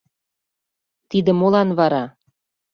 — Тиде молан вара?